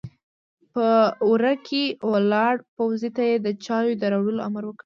په وره کې ولاړ پوځي ته يې د چايو د راوړلو امر وکړ!